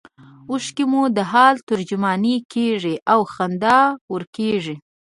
اوښکې مو د حال ترجمانې کیږي او خندا ورکیږي